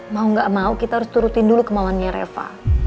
mau gak mau kita harus turutin dulu kemauannya reva